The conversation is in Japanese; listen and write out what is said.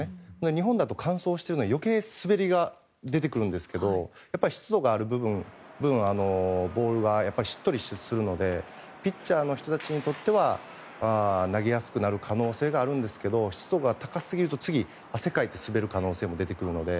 日本だと乾燥しているので余計に滑りが出てくるんですが湿度がある分ボールがしっとりするのでピッチャーの人たちにとっては投げやすくなる可能性があるんですけど湿度が高すぎると次、世界で滑る可能性が出てくるので。